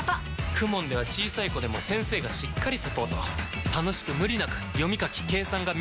ＫＵＭＯＮ では小さい子でも先生がしっかりサポート楽しく無理なく読み書き計算が身につきます！